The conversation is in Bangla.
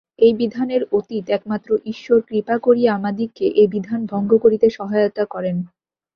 এই বিধানের অতীত একমাত্র ঈশ্বর কৃপা করিয়া আমাদিগকে এ বিধান ভঙ্গ করিতে সহায়তা করেন।